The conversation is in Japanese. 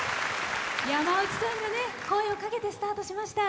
山内さんが声をかけてスタートしました。